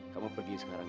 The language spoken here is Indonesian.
kamu pergi sekarang ya